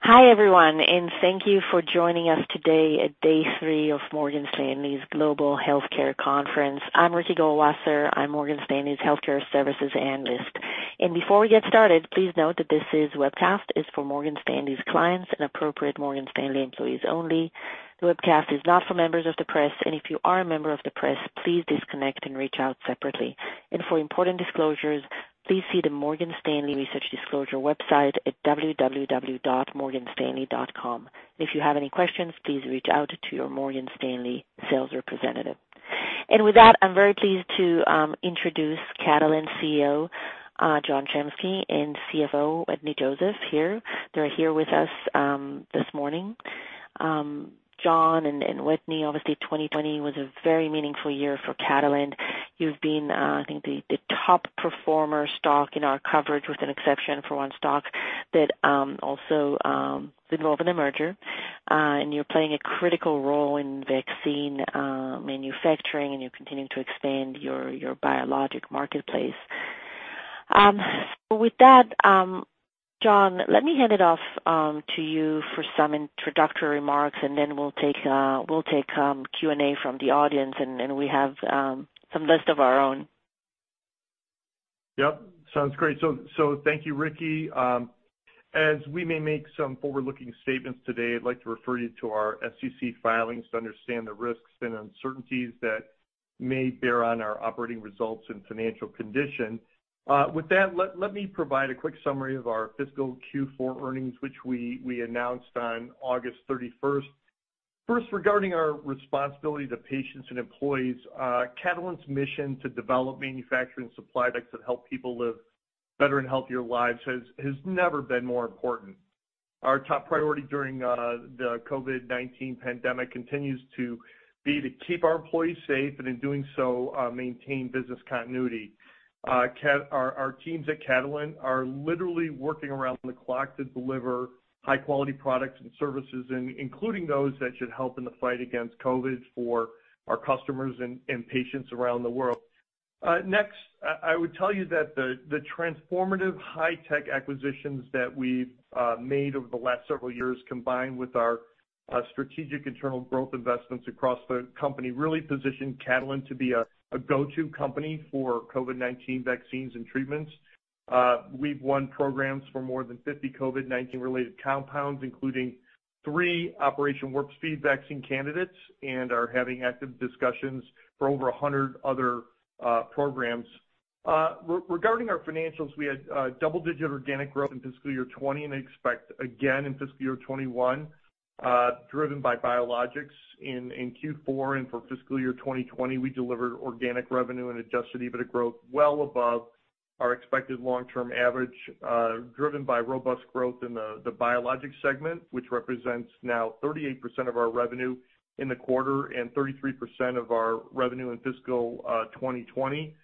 Hi everyone, and thank you for joining us today at Day Three of Morgan Stanley's Global Healthcare Conference. I'm Ricky Goldwasser. I'm Morgan Stanley's Healthcare Services Analyst. And before we get started, please note that this webcast is for Morgan Stanley's clients and appropriate Morgan Stanley employees only. The webcast is not for members of the press, and if you are a member of the press, please disconnect and reach out separately. And for important disclosures, please see the Morgan Stanley Research Disclosure website at www.morganstanley.com. And if you have any questions, please reach out to your Morgan Stanley sales representative. And with that, I'm very pleased to introduce Catalent CEO John Chiminski, and CFO Wetteny Joseph here. They're here with us this morning. John and Wetteny, obviously, 2020 was a very meaningful year for Catalent. You've been, I think, the top performer stock in our coverage, with an exception for one stock that also was involved in the merger, and you're playing a critical role in vaccine manufacturing, and you're continuing to expand your biologic marketplace. With that, John, let me hand it off to you for some introductory remarks, and then we'll take Q&A from the audience, and we have some list of our own. Yep, sounds great. So thank you, Ricky. As we may make some forward-looking statements today, I'd like to refer you to our SEC filings to understand the risks and uncertainties that may bear on our operating results and financial condition. With that, let me provide a quick summary of our fiscal Q4 earnings, which we announced on August 31st. First, regarding our responsibility to patients and employees, Catalent's mission to develop manufacturing supply that could help people live better and healthier lives has never been more important. Our top priority during the COVID-19 pandemic continues to be to keep our employees safe, and in doing so, maintain business continuity. Our teams at Catalent are literally working around the clock to deliver high-quality products and services, including those that should help in the fight against COVID for our customers and patients around the world. Next, I would tell you that the transformative high-tech acquisitions that we've made over the last several years, combined with our strategic internal growth investments across the company, really position Catalent to be a go-to company for COVID-19 vaccines and treatments. We've won programs for more than 50 COVID-19 related compounds, including three Operation Warp Speed vaccine candidates, and are having active discussions for over 100 other programs. Regarding our financials, we had double-digit organic growth in fiscal year 2020, and expect again in fiscal year 2021, driven by biologics. In Q4 and for fiscal year 2020, we delivered organic revenue and Adjusted EBITDA growth well above our expected long-term average, driven by robust growth in the biologic segment, which represents now 38% of our revenue in the quarter and 33% of our revenue in fiscal 2020.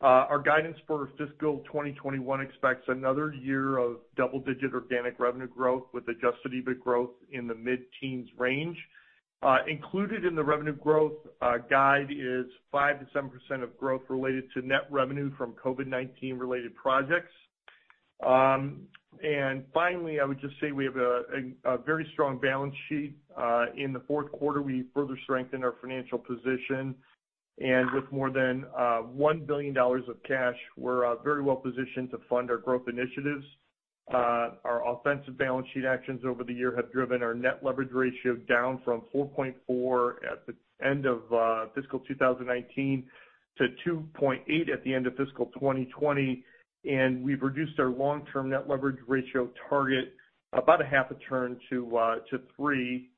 Our guidance for fiscal 2021 expects another year of double-digit organic revenue growth with Adjusted EBITDA growth in the mid-teens range. Included in the revenue growth guide is 5%-7% of growth related to net revenue from COVID-19 related projects. And finally, I would just say we have a very strong balance sheet. In the fourth quarter, we further strengthened our financial position, and with more than $1 billion of cash, we're very well positioned to fund our growth initiatives. Our offensive balance sheet actions over the year have driven our net leverage ratio down from 4.4 at the end of fiscal 2019 to 2.8 at the end of fiscal 2020, and we've reduced our long-term net leverage ratio target about 0.5 to 3.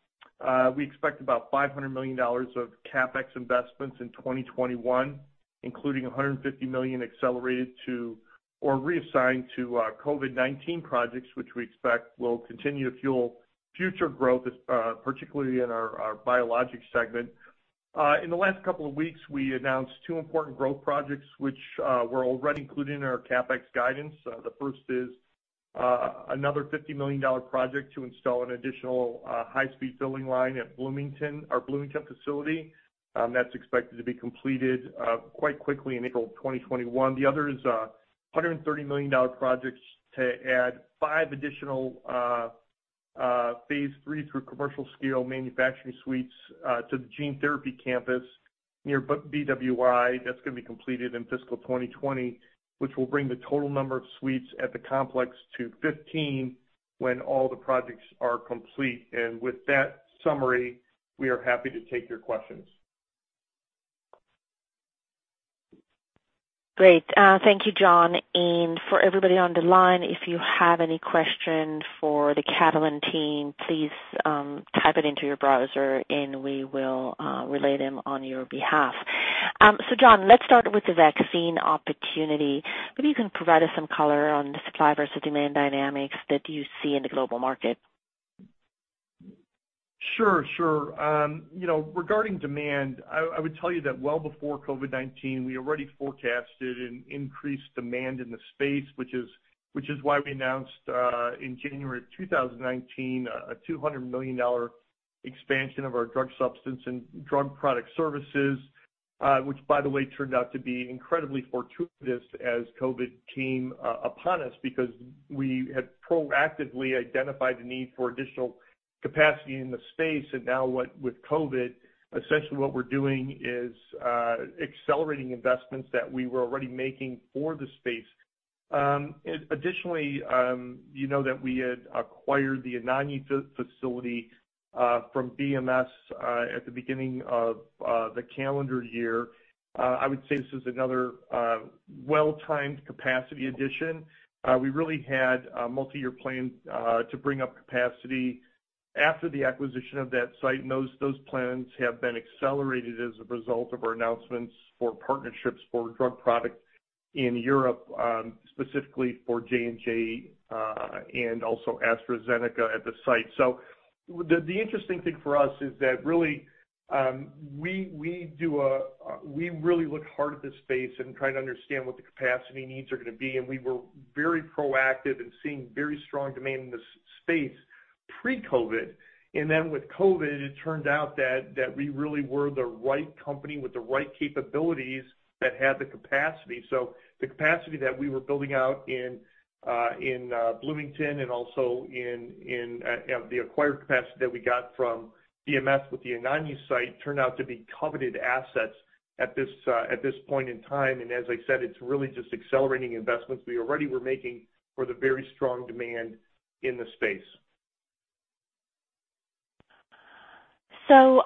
We expect about $500 million of CapEx investments in 2021, including $150 million accelerated to or reassigned to COVID-19 projects, which we expect will continue to fuel future growth, particularly in our biologics segment. In the last couple of weeks, we announced two important growth projects, which were already included in our CapEx guidance. The first is another $50 million project to install an additional high-speed filling line at Bloomington, our Bloomington facility. That's expected to be completed quite quickly in April 2021. The other is a $130 million project to add five additional phase three through commercial scale manufacturing suites to the gene therapy campus near BWI. That's going to be completed in fiscal 2020, which will bring the total number of suites at the complex to 15 when all the projects are complete. And with that summary, we are happy to take your questions. Great. Thank you, John. And for everybody on the line, if you have any questions for the Catalent team, please type it into your browser, and we will relay them on your behalf. So John, let's start with the vaccine opportunity. Maybe you can provide us some color on the supply versus demand dynamics that you see in the global market. Sure, sure. Regarding demand, I would tell you that well before COVID-19, we already forecasted an increased demand in the space, which is why we announced in January of 2019 a $200 million expansion of our drug substance and drug product services, which, by the way, turned out to be incredibly fortuitous as COVID came upon us because we had proactively identified a need for additional capacity in the space. And now with COVID, essentially what we're doing is accelerating investments that we were already making for the space. Additionally, you know that we had acquired the Anagni facility from BMS at the beginning of the calendar year. I would say this is another well-timed capacity addition. We really had a multi-year plan to bring up capacity after the acquisition of that site, and those plans have been accelerated as a result of our announcements for partnerships for drug products in Europe, specifically for J&J and also AstraZeneca at the site, so the interesting thing for us is that really we look hard at this space and try to understand what the capacity needs are going to be, and we were very proactive in seeing very strong demand in this space pre-COVID, and then with COVID, it turned out that we really were the right company with the right capabilities that had the capacity, so the capacity that we were building out in Bloomington and also in the acquired capacity that we got from BMS with the Anagni site turned out to be coveted assets at this point in time. As I said, it's really just accelerating investments we already were making for the very strong demand in the space. So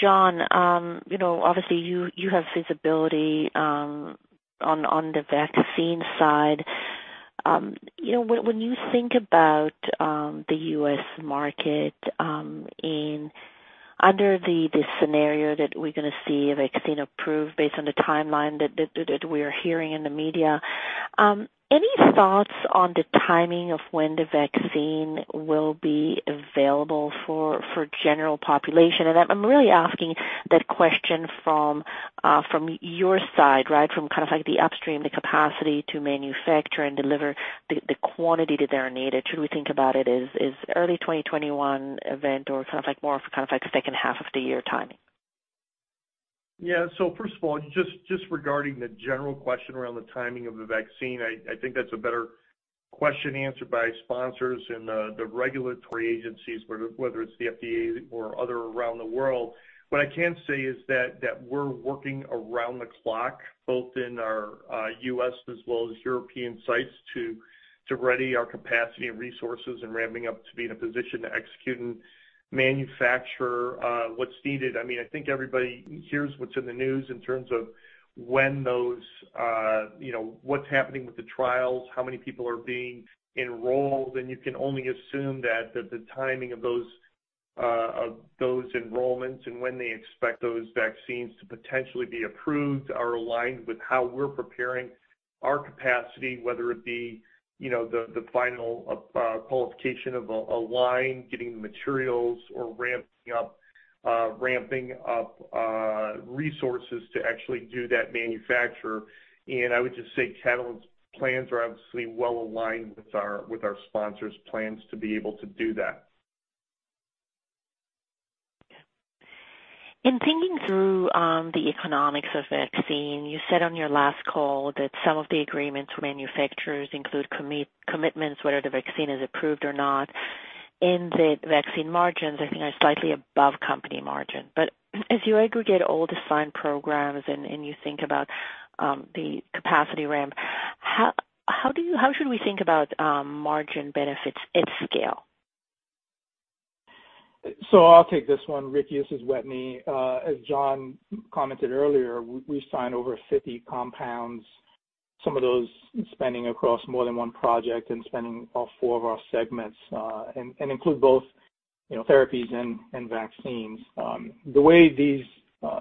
John, obviously you have visibility on the vaccine side. When you think about the U.S. market and under the scenario that we're going to see a vaccine approved based on the timeline that we are hearing in the media, any thoughts on the timing of when the vaccine will be available for general population? And I'm really asking that question from your side, right, from kind of the upstream, the capacity to manufacture and deliver the quantity that's needed. Should we think about it as early 2021 event or kind of more of a second half of the year timing? Yeah, so first of all, just regarding the general question around the timing of the vaccine, I think that's a better question answered by sponsors and the regulatory agencies, whether it's the FDA or other around the world. What I can say is that we're working around the clock both in our U.S. as well as European sites to ready our capacity and resources and ramping up to be in a position to execute and manufacture what's needed. I mean, I think everybody hears what's in the news in terms of what's happening with the trials, how many people are being enrolled, and you can only assume that the timing of those enrollments and when they expect those vaccines to potentially be approved are aligned with how we're preparing our capacity, whether it be the final qualification of a line, getting the materials, or ramping up resources to actually do that manufacture. And I would just say Catalent's plans are obviously well aligned with our sponsors' plans to be able to do that. Thinking through the economics of vaccine, you said on your last call that some of the agreements with manufacturers include commitments whether the vaccine is approved or not, and that vaccine margins, I think, are slightly above company margin. As you aggregate all the signed programs and you think about the capacity ramp, how should we think about margin benefits at scale? I'll take this one, Ricky. This is Wetteny. As John commented earlier, we signed over 50 compounds. Some of those spanning across more than one project and spanning all four of our segments and including both therapies and vaccines. The way these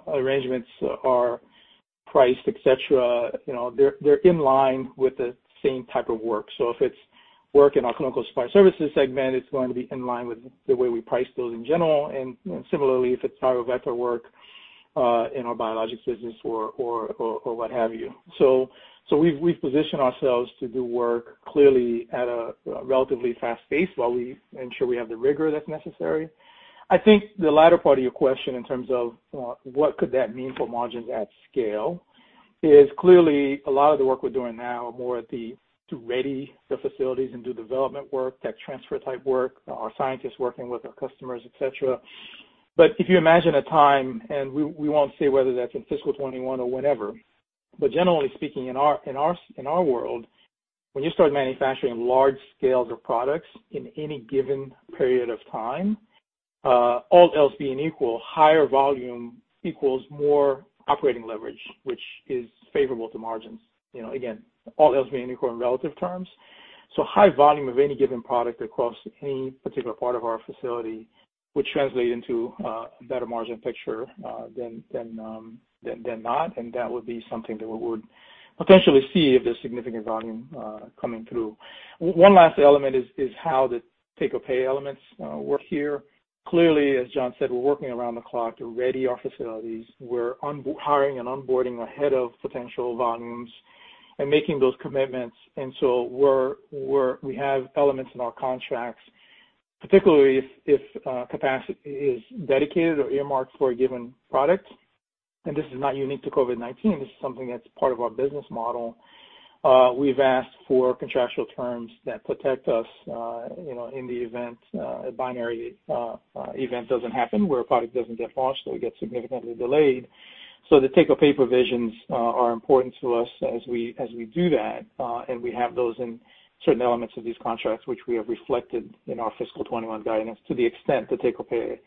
arrangements are priced, etc., they're in line with the same type of work. So if it's work in our clinical supply services segment, it's going to be in line with the way we price those in general. And similarly, if it's biotech work in our biologics business or what have you. So we've positioned ourselves to do work clearly at a relatively fast pace while we ensure we have the rigor that's necessary. I think the latter part of your question in terms of what could that mean for margins at scale is clearly a lot of the work we're doing now are more at the to ready the facilities and do development work, tech transfer type work, our scientists working with our customers, etc. But if you imagine a time, and we won't say whether that's in fiscal 2021 or whenever, but generally speaking, in our world, when you start manufacturing large scales of products in any given period of time, all else being equal, higher volume equals more operating leverage, which is favorable to margins. Again, all else being equal in relative terms. High volume of any given product across any particular part of our facility would translate into a better margin picture than not, and that would be something that we would potentially see if there's significant volume coming through. One last element is how the take-or-pay elements work here. Clearly, as John said, we're working around the clock to ready our facilities. We're hiring and onboarding ahead of potential volumes and making those commitments. We have elements in our contracts, particularly if capacity is dedicated or earmarked for a given product. This is not unique to COVID-19. This is something that's part of our business model. We've asked for contractual terms that protect us in the event a binary event doesn't happen where a product doesn't get launched, so we get significantly delayed. So the take-or-pay provisions are important to us as we do that, and we have those in certain elements of these contracts, which we have reflected in our fiscal 2021 guidance to the extent the take-or-pay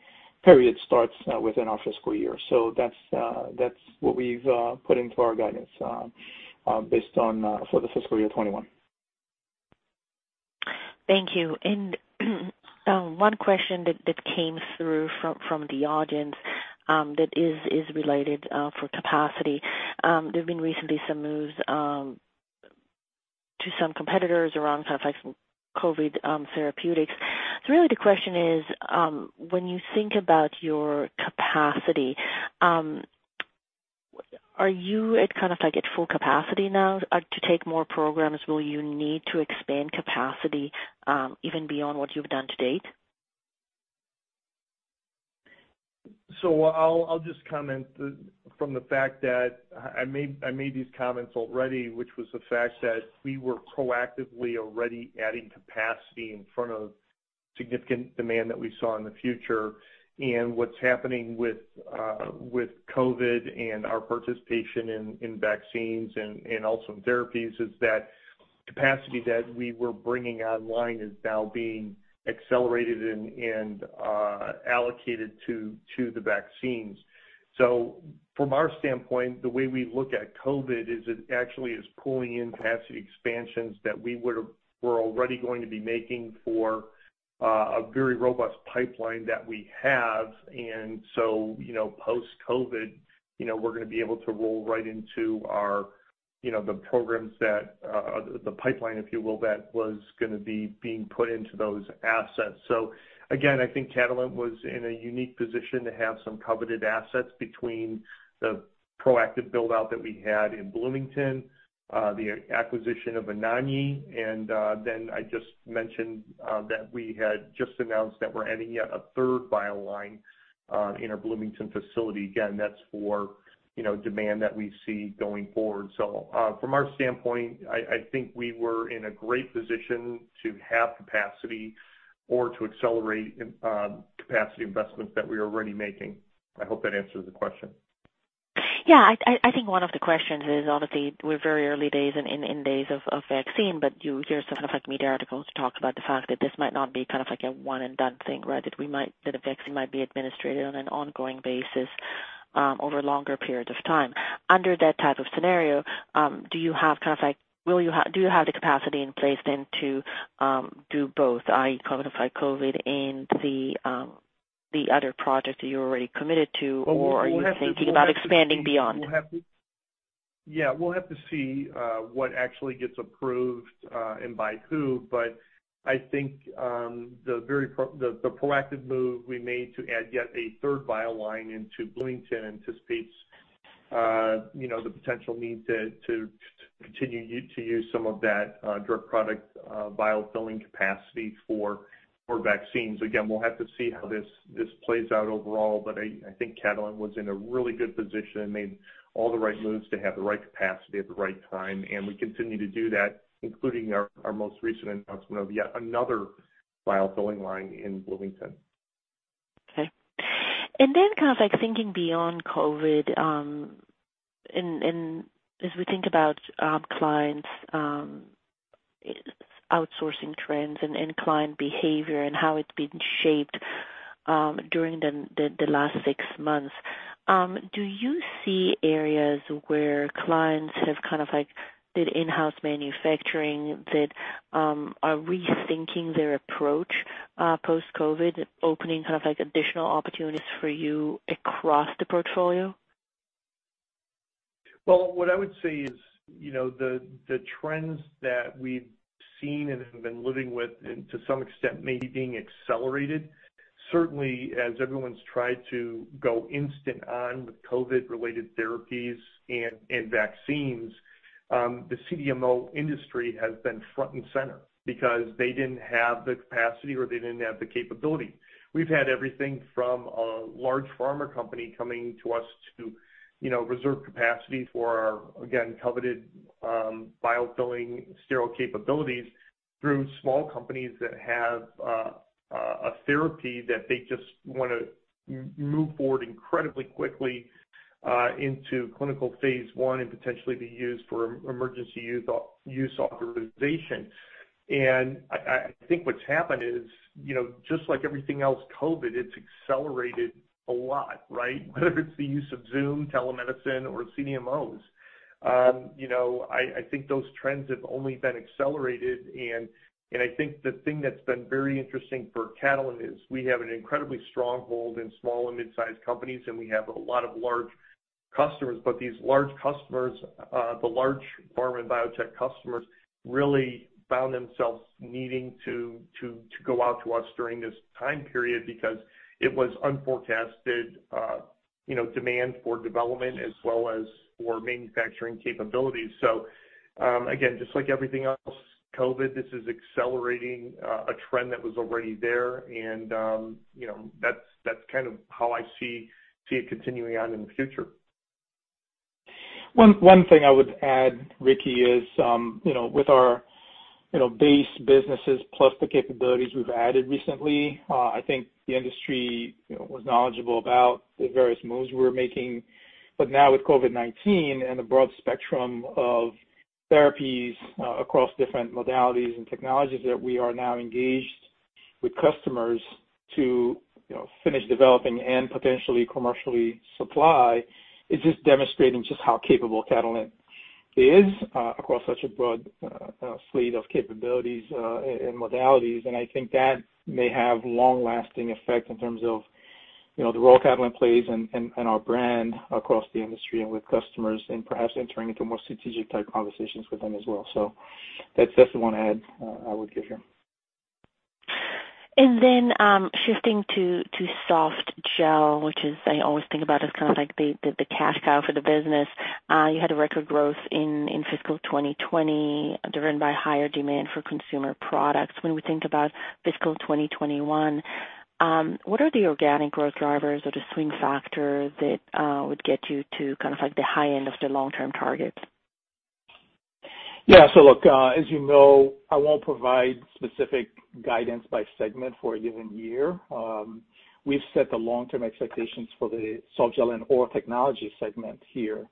period starts within our fiscal year. So that's what we've put into our guidance based on for the fiscal year 2021. Thank you. And one question that came through from the audience that is related for capacity. There have been recently some moves to some competitors around kind of COVID therapeutics. So really the question is, when you think about your capacity, are you at kind of at full capacity now? To take more programs, will you need to expand capacity even beyond what you've done to date? So I'll just comment from the fact that I made these comments already, which was the fact that we were proactively already adding capacity in front of significant demand that we saw in the future. And what's happening with COVID and our participation in vaccines and also in therapies is that capacity that we were bringing online is now being accelerated and allocated to the vaccines. So from our standpoint, the way we look at COVID is it actually is pulling in capacity expansions that we were already going to be making for a very robust pipeline that we have. And so post-COVID, we're going to be able to roll right into the programs that the pipeline, if you will, that was going to be being put into those assets. So again, I think Catalent was in a unique position to have some coveted assets between the proactive build-out that we had in Bloomington, the acquisition of Anagni, and then I just mentioned that we had just announced that we're adding yet a third bio line in our Bloomington facility. Again, that's for demand that we see going forward. From our standpoint, I think we were in a great position to have capacity or to accelerate capacity investments that we are already making. I hope that answers the question. Yeah. I think one of the questions is obviously we're very early days and days of vaccine, but you hear some kind of media articles talk about the fact that this might not be kind of a one-and-done thing, right, that a vaccine might be administered on an ongoing basis over longer periods of time. Under that type of scenario, do you have kind of the capacity in place then to do both, i.e., COVID and the other projects that you're already committed to, or are you thinking about expanding beyond? Yeah. We'll have to see what actually gets approved and by who, but I think the proactive move we made to add yet a third bio line into Bloomington anticipates the potential need to continue to use some of that drug product biofilling capacity for vaccines. Again, we'll have to see how this plays out overall, but I think Catalent was in a really good position and made all the right moves to have the right capacity at the right time. And we continue to do that, including our most recent announcement of yet another biofilling line in Bloomington. Okay. And then kind of thinking beyond COVID, and as we think about clients, outsourcing trends and client behavior and how it's been shaped during the last six months, do you see areas where clients have kind of did in-house manufacturing that are rethinking their approach post-COVID, opening kind of additional opportunities for you across the portfolio? What I would say is the trends that we've seen and have been living with, and to some extent maybe being accelerated, certainly as everyone's tried to go instant on with COVID-related therapies and vaccines, the CDMO industry has been front and center because they didn't have the capacity or they didn't have the capability. We've had everything from a large pharma company coming to us to reserve capacity for our, again, coveted biofilling sterile capabilities through small companies that have a therapy that they just want to move forward incredibly quickly into clinical phase one and potentially be used for emergency use authorization. I think what's happened is, just like everything else COVID, it's accelerated a lot, right? Whether it's the use of Zoom, telemedicine, or CDMOs. I think those trends have only been accelerated. And I think the thing that's been very interesting for Catalent is we have an incredibly strong hold in small and mid-sized companies, and we have a lot of large customers. But these large customers, the large pharma and biotech customers, really found themselves needing to go out to us during this time period because it was unforecasted demand for development as well as for manufacturing capabilities. So again, just like everything else, COVID, this is accelerating a trend that was already there, and that's kind of how I see it continuing on in the future. One thing I would add, Ricky, is with our base businesses plus the capabilities we've added recently, I think the industry was knowledgeable about the various moves we were making, but now with COVID-19 and the broad spectrum of therapies across different modalities and technologies that we are now engaged with customers to finish developing and potentially commercially supply, it's just demonstrating just how capable Catalent is across such a broad slate of capabilities and modalities, and I think that may have long-lasting effect in terms of the role Catalent plays and our brand across the industry and with customers and perhaps entering into more strategic-type conversations with them as well, so that's the one add I would give here. And then shifting to softgel, which I always think about as kind of the cash cow for the business. You had a record growth in fiscal 2020 driven by higher demand for consumer products. When we think about fiscal 2021, what are the organic growth drivers or the swing factors that would get you to kind of the high end of the long-term targets? Yeah. So look, as you know, I won't provide specific guidance by segment for a given year. We've set the long-term expectations for the Softgel and Oral Technologies segment here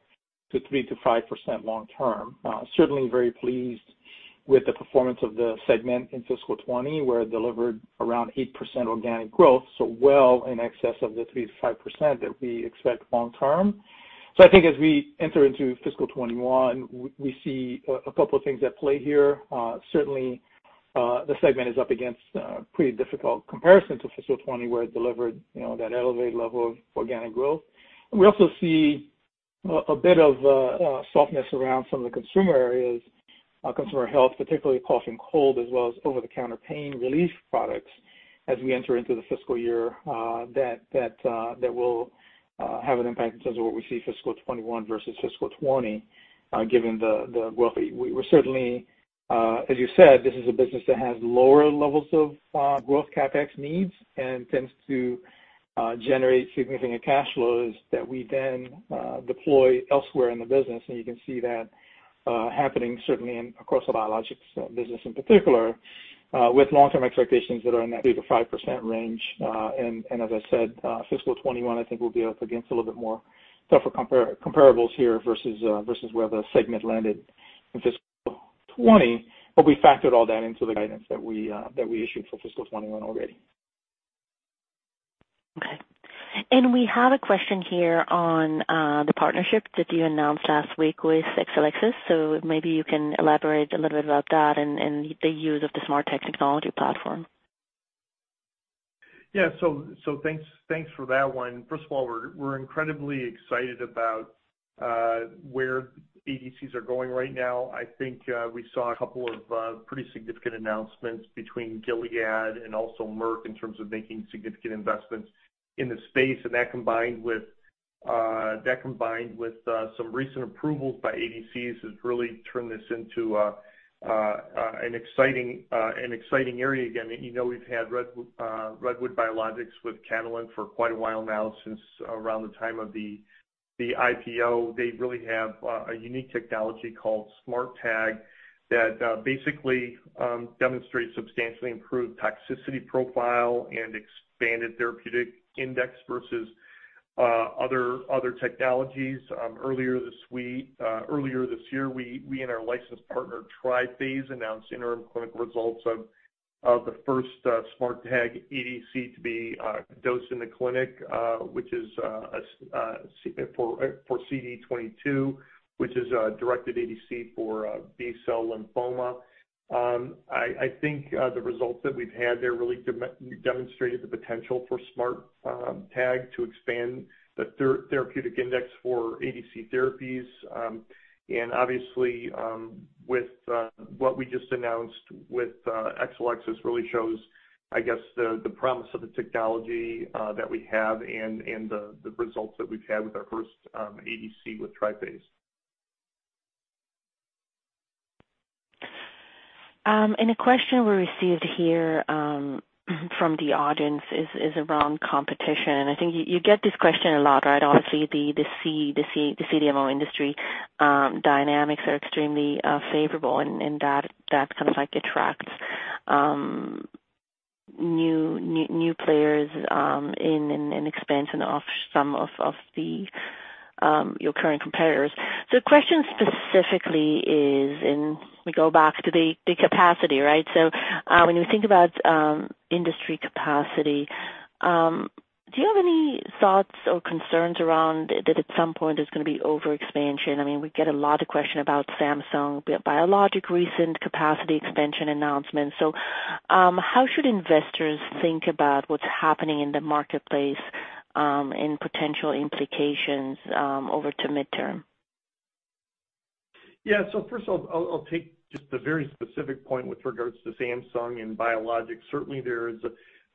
to 3%-5% long-term. Certainly very pleased with the performance of the segment in fiscal 2020, where it delivered around 8% organic growth, so well in excess of the 3%-5% that we expect long-term. So I think as we enter into fiscal 2021, we see a couple of things at play here. Certainly, the segment is up against a pretty difficult comparison to fiscal 2020, where it delivered that elevated level of organic growth. We also see a bit of softness around some of the consumer areas, consumer health, particularly cough and cold, as well as over-the-counter pain relief products as we enter into the fiscal year that will have an impact in terms of what we see fiscal 2021 versus fiscal 2020, given the growth. We're certainly, as you said, this is a business that has lower levels of growth CapEx needs and tends to generate significant cash flows that we then deploy elsewhere in the business. You can see that happening certainly across the biologics business in particular, with long-term expectations that are in that 3%-5% range. As I said, fiscal 2021, I think we'll be up against a little bit more tougher comparables here versus where the segment landed in fiscal 2020, but we factored all that into the guidance that we issued for fiscal 2021 already. Okay, and we have a question here on the partnership that you announced last week with Exelixis, so maybe you can elaborate a little bit about that and the use of the SMARTag technology platform. Yeah. So thanks for that one. First of all, we're incredibly excited about where ADCs are going right now. I think we saw a couple of pretty significant announcements between Gilead and also Merck in terms of making significant investments in the space. And that combined with some recent approvals by ADCs has really turned this into an exciting area. Again, we've had Redwood Biologics with Catalent for quite a while now since around the time of the IPO. They really have a unique technology called SMARTag that basically demonstrates substantially improved toxicity profile and expanded therapeutic index versus other technologies. Earlier this year, we and our licensed partner Triphase announced interim clinical results of the first SMARTag ADC to be dosed in the clinic, which is for CD22, which is a directed ADC for B-cell lymphoma. I think the results that we've had there really demonstrated the potential for SMARTag to expand the therapeutic index for ADC therapies. And obviously, with what we just announced with Exelixis, really shows, I guess, the promise of the technology that we have and the results that we've had with our first ADC with Triphase. A question we received here from the audience is around competition. I think you get this question a lot, right? Obviously, the CDMO industry dynamics are extremely favorable, and that kind of attracts new players in and expands on some of your current competitors. The question specifically is, and we go back to the capacity, right? When we think about industry capacity, do you have any thoughts or concerns around that at some point there's going to be overexpansion? I mean, we get a lot of questions about Samsung Biologics' recent capacity expansion announcements. How should investors think about what's happening in the marketplace and potential implications over the midterm? Yeah. So first of all, I'll take just the very specific point with regards to Samsung and biologics. Certainly, there have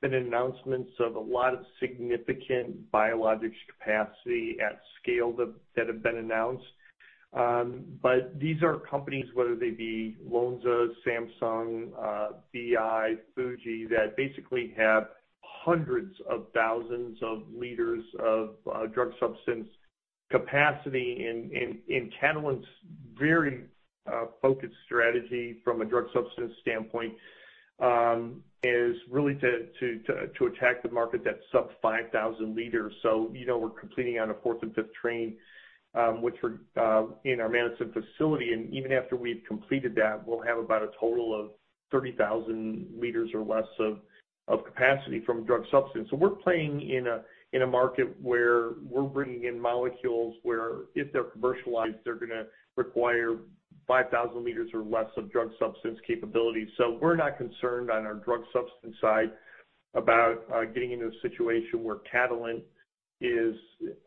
been announcements of a lot of significant biologics capacity at scale that have been announced. But these are companies, whether they be Lonza, Samsung, BI, Fuji, that basically have hundreds of thousands of liters of drug substance capacity. And Catalent's very focused strategy from a drug substance standpoint is really to attack the market that's sub-5,000L. So we're completing on a fourth and fifth train in our Madison facility. And even after we've completed that, we'll have about a total of 30,000 liters or less of capacity from drug substance. So we're playing in a market where we're bringing in molecules where, if they're commercialized, they're going to require 5,000L or less of drug substance capability. We're not concerned on our drug substance side about getting into a situation where Catalent is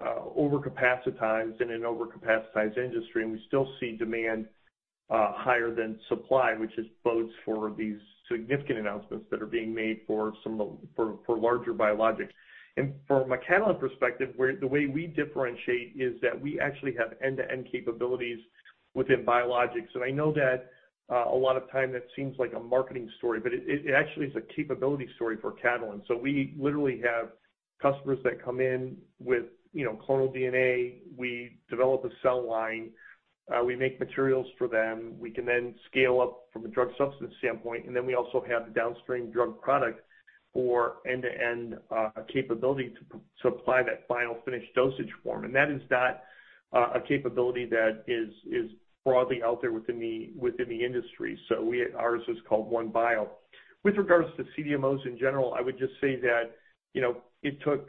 overcapacitated in an overcapacitated industry. We still see demand higher than supply, which is both for these significant announcements that are being made for larger biologics. From a Catalent perspective, the way we differentiate is that we actually have end-to-end capabilities within biologics. I know that a lot of time that seems like a marketing story, but it actually is a capability story for Catalent. We literally have customers that come in with clonal DNA. We develop a cell line. We make materials for them. We can then scale up from a drug substance standpoint. Then we also have downstream drug product for end-to-end capability to supply that final finished dosage form. That is not a capability that is broadly out there within the industry. So ours is called OneBio. With regards to CDMOs in general, I would just say that it took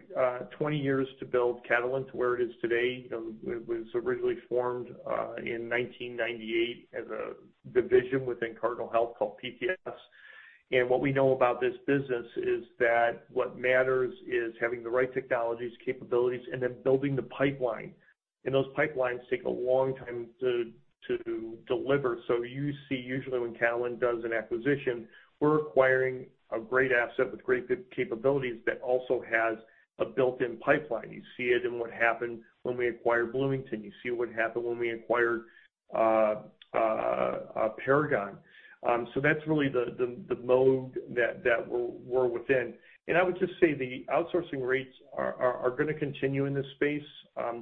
20 years to build Catalent to where it is today. It was originally formed in 1998 as a division within Cardinal Health called PTS. And what we know about this business is that what matters is having the right technologies, capabilities, and then building the pipeline. And those pipelines take a long time to deliver. So you see usually when Catalent does an acquisition, we're acquiring a great asset with great capabilities that also has a built-in pipeline. You see it in what happened when we acquired Bloomington. You see what happened when we acquired Paragon. So that's really the mode that we're within. And I would just say the outsourcing rates are going to continue in this space.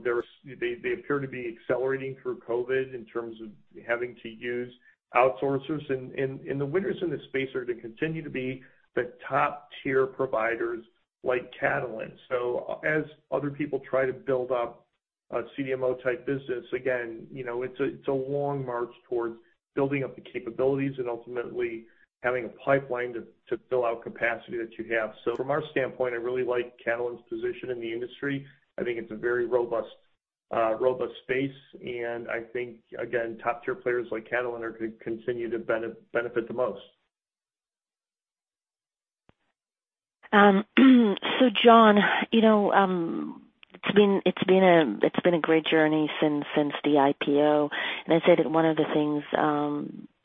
They appear to be accelerating through COVID in terms of having to use outsourcers. And the winners in this space are going to continue to be the top-tier providers like Catalent. So as other people try to build up a CDMO-type business, again, it's a long march towards building up the capabilities and ultimately having a pipeline to fill out capacity that you have. So from our standpoint, I really like Catalent's position in the industry. I think it's a very robust space. And I think, again, top-tier players like Catalent are going to continue to benefit the most. So John, it's been a great journey since the IPO. And I said that one of the things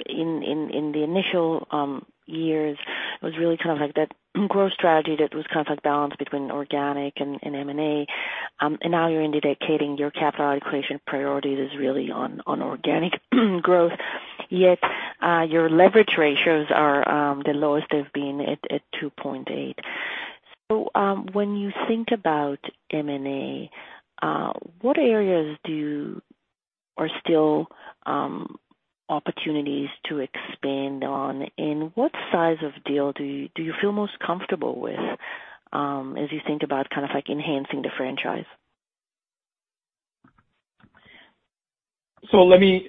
in the initial years, it was really kind of like that growth strategy that was kind of like balanced between organic and M&A. And now you're indicating your capital allocation priority is really on organic growth, yet your leverage ratios are the lowest they've been at 2.8. So when you think about M&A, what areas are still opportunities to expand on? And what size of deal do you feel most comfortable with as you think about kind of enhancing the franchise? So let me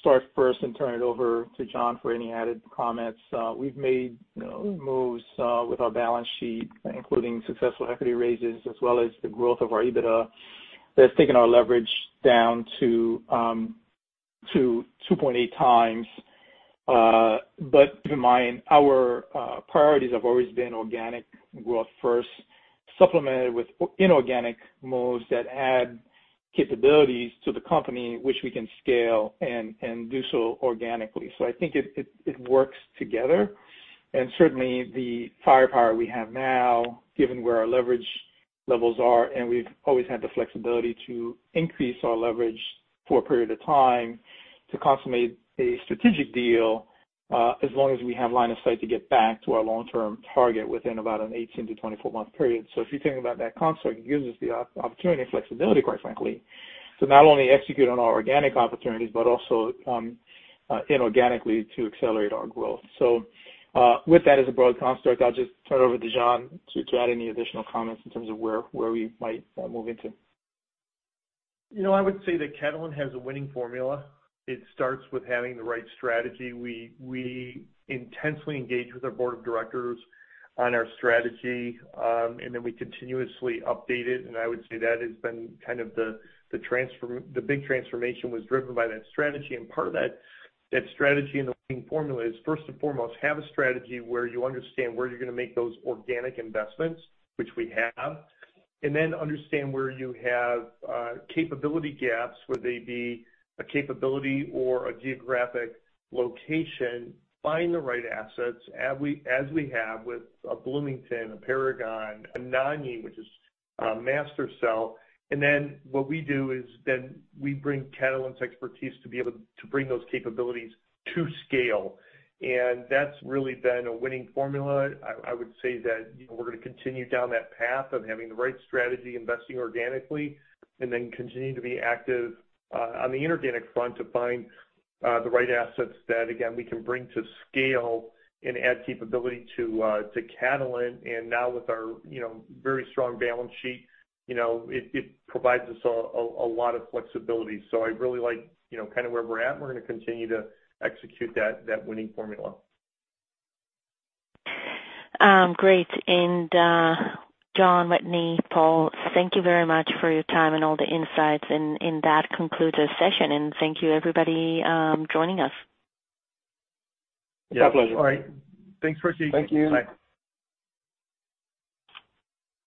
start first and turn it over to John for any added comments. We've made moves with our balance sheet, including successful equity raises, as well as the growth of our EBITDA. That's taken our leverage down to 2.8x. But keep in mind, our priorities have always been organic growth first, supplemented with inorganic moves that add capabilities to the company, which we can scale and do so organically. So I think it works together. And certainly, the firepower we have now, given where our leverage levels are, and we've always had the flexibility to increase our leverage for a period of time to consummate a strategic deal as long as we have line of sight to get back to our long-term target within about an 18-24-month period. So if you're thinking about that construct, it gives us the opportunity and flexibility, quite frankly, to not only execute on our organic opportunities, but also inorganically to accelerate our growth. So with that as a broad construct, I'll just turn it over to John to add any additional comments in terms of where we might move into. I would say that Catalent has a winning formula. It starts with having the right strategy. We intensely engage with our board of directors on our strategy, and then we continuously update it. And I would say that has been kind of the big transformation was driven by that strategy. And part of that strategy and the winning formula is, first and foremost, have a strategy where you understand where you're going to make those organic investments, which we have, and then understand where you have capability gaps, whether they be a capability or a geographic location. Find the right assets as we have with a Bloomington, a Paragon, an Anagni, and MaSTherCell. And then what we do is then we bring Catalent's expertise to be able to bring those capabilities to scale. And that's really been a winning formula. I would say that we're going to continue down that path of having the right strategy, investing organically, and then continue to be active on the inorganic front to find the right assets that, again, we can bring to scale and add capability to Catalent. And now, with our very strong balance sheet, it provides us a lot of flexibility. So I really like kind of where we're at. We're going to continue to execute that winning formula. Great. And John, Wetteny, Paul, thank you very much for your time and all the insights. And that concludes our session. And thank you, everybody, for joining us. Yeah. My pleasure. All right. Thanks for taking the time. Thank you. Bye.